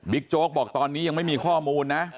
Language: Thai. โจ๊กบอกตอนนี้ยังไม่มีข้อมูลนะ